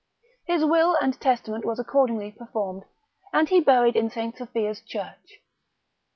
His will and testament was accordingly performed, and he buried in St. Sophia's church.